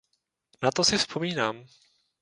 Na to si vzpomínám.